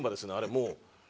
もう。